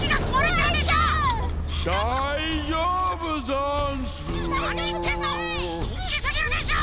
ちょっとおっきすぎるでしょ。